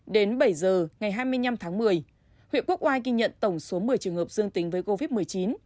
đến bảy giờ ngày hai mươi năm tháng một mươi huyện quốc oai ghi nhận tổng số một mươi trường hợp dương tính với covid một mươi chín